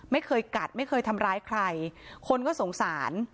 ไม่เคยกัดไม่เคยทำร้ายใครคนก็สงสาร